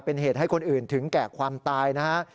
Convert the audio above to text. เป็นเหตุให้คนอื่นถึงแก่ความตายนะฮะ